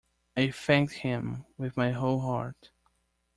I thanked him with my whole heart.